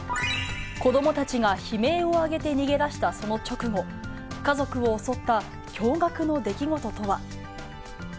子どもたちが悲鳴を上げて逃げ出したその直後、家族を襲った驚がくの出来事とは。